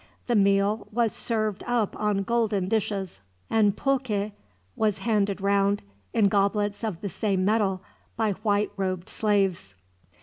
The meal was served up on golden dishes, and pulque was handed round, in goblets of the same metal, by white robed slaves.